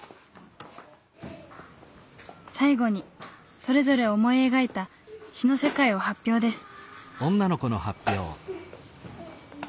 最後にそれぞれ思い描いた詩の世界を発表です。